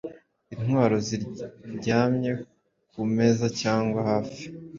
Intwaro ziryamye kumezacyangwa hafi